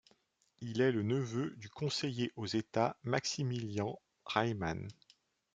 Il est le neveu du conseiller aux États Maximilian Reimann.